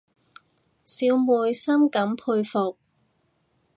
小妹深感佩服